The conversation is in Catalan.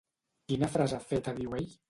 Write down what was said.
Quina frase feta diu ell?